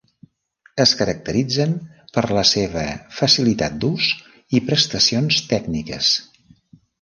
Es caracteritzen per la seva facilitat d'ús i prestacions tècniques.